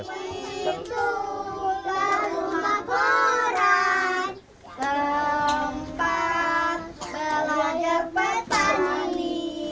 itu rumah korang tempat belajar petani